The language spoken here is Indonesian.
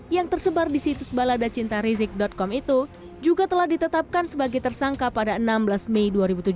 yang tersebar di situs baladacintarizik com itu juga telah ditetapkan sebagai tersangka pada enam belas mei dua ribu tujuh belas